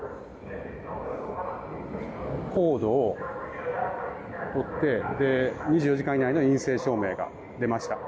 コードを撮って２４時間以内の陰性証明が出ました。